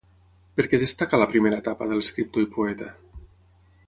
Per què destaca la primera etapa de l'escriptor i poeta?